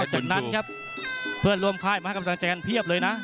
จากนั้นครับเพื่อนร่วมค่ายมาให้กำลังใจกันเพียบเลยนะ